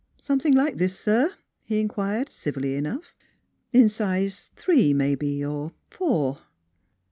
" Something like this, sir? " he inquired, civilly enough; " in size three maybe, or four."